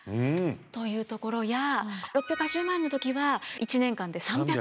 というところや６８０万円の時は１年間で３００枚。